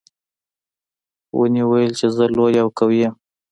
ونې ویل چې زه لویه او قوي یم.